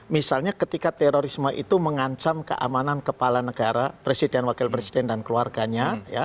misalnya ketika terorisme itu mengancam keamanan kepala negara presiden wakil presiden dan keluarganya